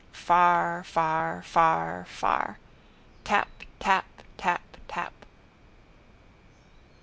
Far. Far. Far. Far. Tap. Tap. Tap. Tap.